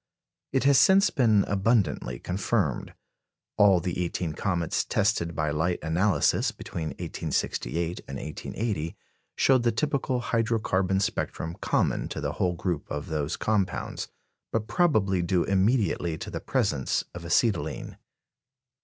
It has since been abundantly confirmed. All the eighteen comets tested by light analysis, between 1868 and 1880, showed the typical hydro carbon spectrum common to the whole group of those compounds, but probably due immediately to the presence of acetylene.